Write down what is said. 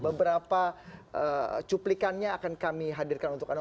beberapa cuplikannya akan kami hadirkan untuk anda